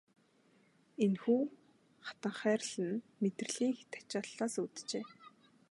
Энэхүү хатанхайрал нь мэдрэлийн хэт ачааллаас үүджээ.